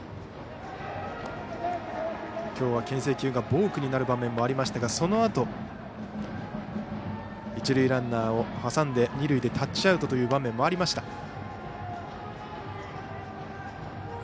きょうはけん制球がボークになる場面もありましたがそのあと、一塁ランナーを挟んで二塁でタッチアウトという場面もありました。